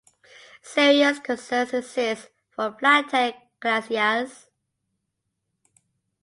Serious concerns exist for flathead galaxias.